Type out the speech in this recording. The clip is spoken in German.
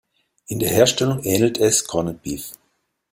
In der Herstellung ähnelt es Corned Beef.